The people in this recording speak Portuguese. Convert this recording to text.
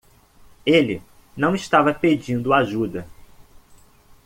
Ele não estava pedindo ajuda.